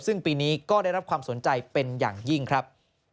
ซึ่งปีนี้ก็ได้รับความสนใจเป็นอย่างยิ่งครับ